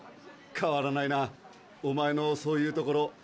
変わらないなおまえのそういうところ。